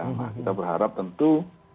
nah kita berharap tentu